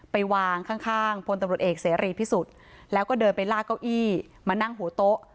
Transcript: ไปวางข้างข้างพลตำรวจเอกเสรีพิสุทธิ์แล้วก็เดินไปลากเก้าอี้มานั่งหัวโต๊ะ